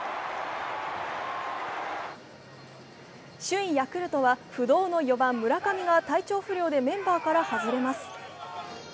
首位・ヤクルトは不動の４番・村上が体調不良でメンバーから外れます。